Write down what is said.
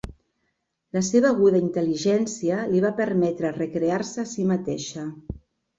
La seva aguda intel·ligència li va permetre recrear-se a si mateixa.